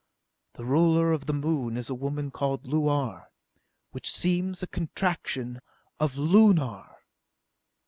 "The ruler of the Moon is a woman called Luar, which seems a contraction of Lunar!"